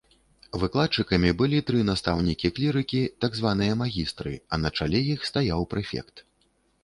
Выкладчыкамі былі тры настаўнікі-клірыкі, так званыя магістры, а на чале іх стаяў прэфект.